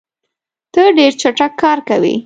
ته ډېر چټک کار کوې.